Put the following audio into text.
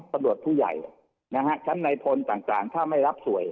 ตำรวจผู้ใหญ่ชั้นในทนต่างถ้าไม่รับสวย